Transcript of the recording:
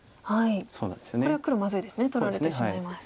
これは黒まずいですね取られてしまいます。